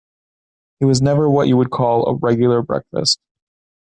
He never has what you would call a regular breakfast.